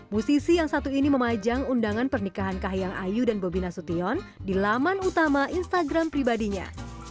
musisi yang satu ini memajang undangan pernikahan kahiyang ayu dan bobi nasution di laman utama instagram pribadinya